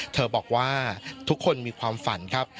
เธอบอกว่าทุกคนมีความฝันครับ